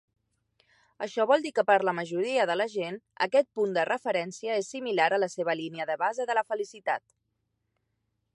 Això vol dir que per a la majoria de la gent, aquest punt de referència és similar a la seva línia de base de la felicitat.